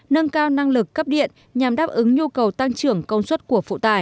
nâng cao năng lực cấp điện nhằm đáp ứng nhu cầu tăng trưởng công suất của phụ tải